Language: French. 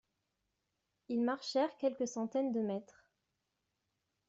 Ils marchèrent quelques centaines de mètres.